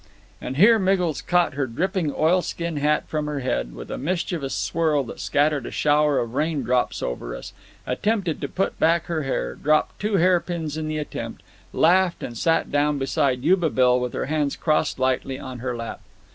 And here Miggles caught her dripping oilskin hat from her head, with a mischievous swirl that scattered a shower of raindrops over us; attempted to put back her hair; dropped two hairpins in the attempt; laughed and sat down beside Yuba Bill, with her hands crossed lightly on her lap.